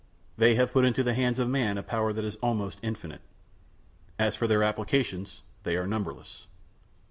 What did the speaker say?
They have put into the hands of man a power that is almost infinite. As for their applications, they are numberless.